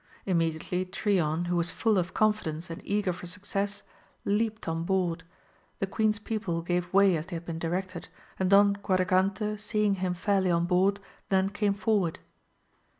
Immediately Trion, who was full of confidence and eager for success, leaped on board ; the queen's people gave way as they had been directed, and Don Quadragante seeing him fairly on board then came forward.